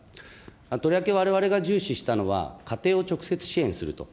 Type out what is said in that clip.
とりわけわれわれが重視したのは、家庭を直接支援すると。